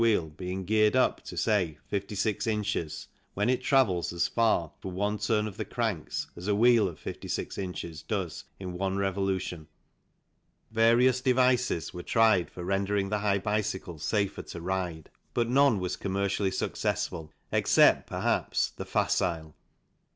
wheel being geared up to, say, 56 ins. when it travels as far 10 THE CYCLE INDUSTRY for one turn of the cranks as a wheel of 56 ins. does in one revolution. Various devices were tried for rendering the high bicycle safer to ride, but none was commercially successful except, perhaps, the Facile.